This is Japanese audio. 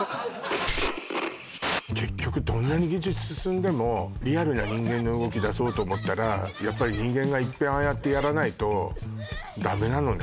結局どんなに技術進んでもリアルな人間の動き出そうと思ったらやっぱり人間がいっぺんああやってやらないとダメなのね